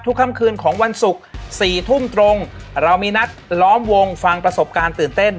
ค่ำคืนของวันศุกร์๔ทุ่มตรงเรามีนัดล้อมวงฟังประสบการณ์ตื่นเต้น